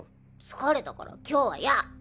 疲れたから今日はヤッ！